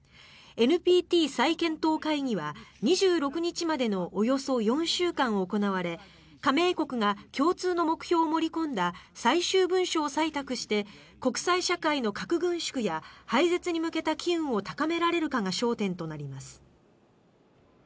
ＮＰＴ再検討会議は２６日までのおよそ４週間行われ加盟国が共通の目標を盛り込んだ最終文書を採択して国際社会の核軍縮や廃絶に向けた機運を高められるかが焦点となります。